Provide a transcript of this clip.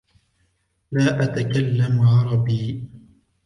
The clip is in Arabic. لا اتكلم عربي.